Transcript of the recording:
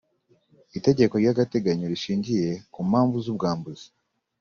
Itegeko ry’agateganyo rishingiye ku mpamvu z’ubwambuzi